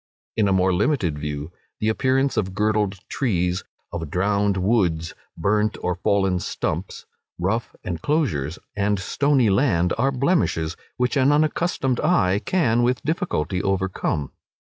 In a more limited view, the appearance of girdled trees, of drowned woods, burnt or fallen stumps, rough enclosures, and stony land, are blemishes which an unaccustomed eye can with difficulty overcome.